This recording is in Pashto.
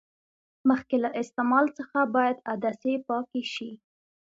مخکې له استعمال څخه باید عدسې پاکې شي.